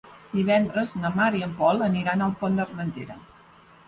Divendres na Mar i en Pol aniran al Pont d'Armentera.